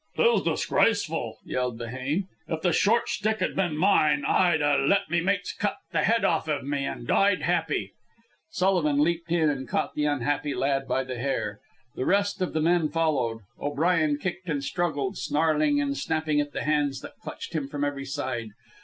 "'Tis disgraceful!" yelled Behane. "If the short stick'd ben mine, I'd a let me mates cut the head off iv me an' died happy." Sullivan leaped in and caught the unhappy lad by the hair. The rest of the men followed, O'Brien kicked and struggled, snarling and snapping at the hands that clutched him from every side.